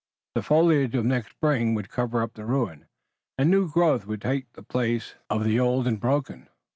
The foliage of next spring would cover up the ruin and new growth would take the place of the old and broken.